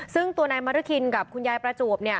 ซึ่งตัวนายมรกินกับคุณยาประจูบ